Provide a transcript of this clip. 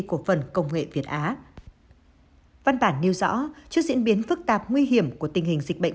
cộng nghệ việt á văn bản nêu rõ trước diễn biến phức tạp nguy hiểm của tình hình dịch bệnh